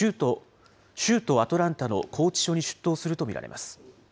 州都アトランタの拘置所に出頭すると見られます。